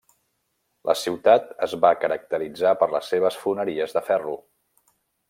La ciutat es va caracteritzar per les seves foneries de ferro.